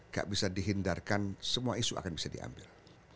gak bisa dihindarkan semua isu akan bisa diambil